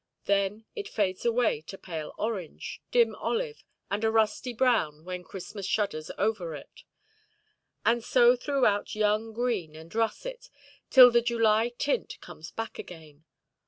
Then it fades away to pale orange, dim olive, and a rusty brown when Christmas shudders over it; and so throughout young green and russet, till the July tint comes back again.